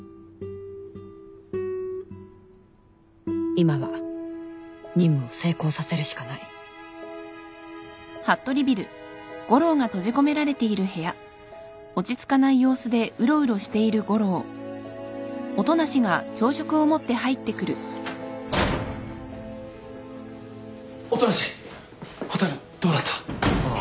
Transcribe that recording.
今は任務を成功させるしかない音無蛍どうなった？ああ。